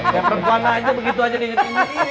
yang perempuan aja begitu aja diketiknya